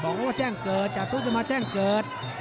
บอกว่าแจ้งเกิดจาตุ๊จะมาแจ้งเกิด